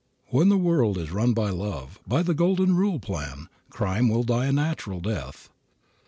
When the world is run by love, by the Golden Rule plan, crime will die a natural death.